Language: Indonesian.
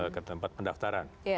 ke tempat pendaftaran